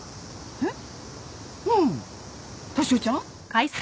えっ？